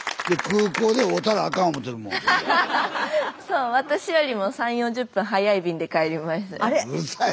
そう私よりも３０４０分早い便で帰りました。